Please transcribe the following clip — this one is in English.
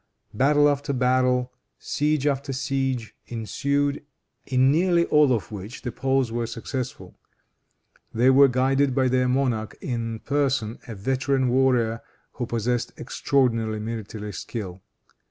Battle after battle, siege after siege ensued, in nearly all of which the Poles were successful. They were guided by their monarch in person, a veteran warrior, who possessed extraordinary military skill.